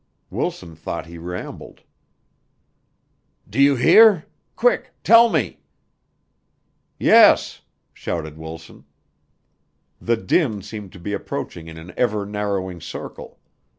Wilson thought he rambled. "Do you hear? Quick tell me?" "Yes," shouted Wilson. The din seemed to be approaching in an ever narrowing circle.